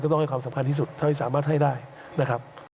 ต้องให้ความสำคัญที่สุดเท่าที่สามารถให้ได้นะครับ